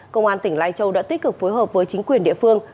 công an tỉnh lai châu đã tích cực phối hợp với chính quyền địa phương